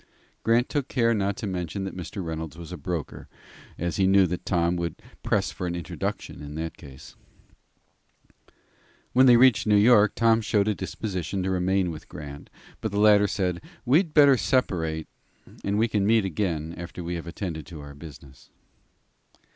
Grant took care not to mention that Mr. Reynolds was a broker, as he knew that Tom would press for an introduction in that case. When they reached New York, Tom showed a disposition to remain with Grant, but the latter said: "We'd better separate, and we can meet again after we have attended to our business."